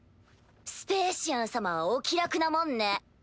スペーシアン様はお気楽なもんね。